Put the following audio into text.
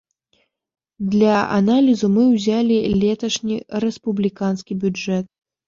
Для аналізу мы ўзялі леташні рэспубліканскі бюджэт.